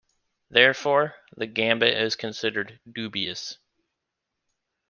Therefore, the gambit is considered dubious.